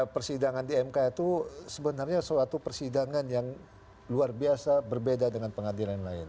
persidangan di mk itu sebenarnya suatu persidangan yang luar biasa berbeda dengan pengadilan lain